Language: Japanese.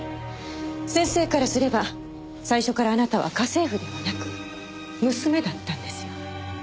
先生からすれば最初からあなたは家政婦ではなく娘だったんですよ。